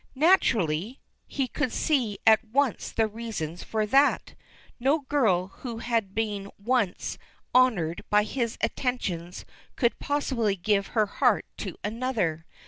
Naturally! He could see at once the reason for that. No girl who had been once honored by his attentions could possibly give her heart to another.